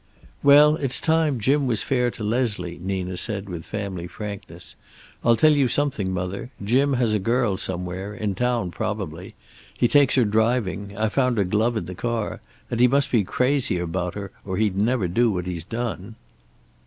"Well, it's time Jim was fair to Leslie," Nina said, with family frankness. "I'll tell you something, mother. Jim has a girl somewhere, in town probably. He takes her driving. I found a glove in the car. And he must be crazy about her, or he'd never do what he's done."